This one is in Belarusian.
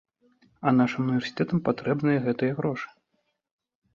А нашым універсітэтам патрэбныя гэтыя грошы.